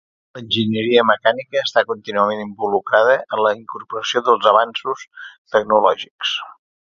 L'enginyeria mecànica està contínuament involucrada en la incorporació dels avanços tecnològics.